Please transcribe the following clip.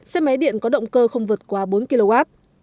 xe máy điện có động cơ không vượt qua bốn mươi km